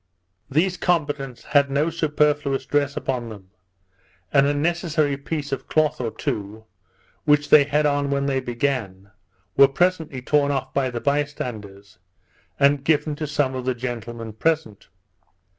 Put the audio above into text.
These combatants had no superfluous dress upon them; an unnecessary piece of cloth or two, which they had on when they began, were presently torn off by the by standers, and given to some of our gentlemen present.